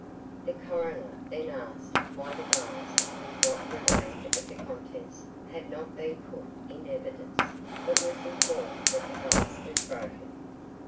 The Coroner then asked why the glass with what remained of the contents had not been put in evidence, but was informed that the glass was broken.